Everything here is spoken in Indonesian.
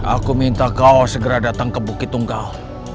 aku minta kau segera datang ke bukit tunggal